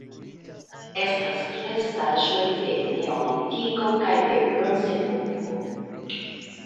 Estas restaĵoj de Neolitiko kaj de Bronzepoko.